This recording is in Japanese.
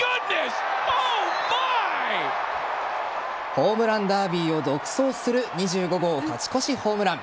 ホームランダービーを独走する２５号勝ち越しホームラン。